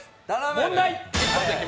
問題！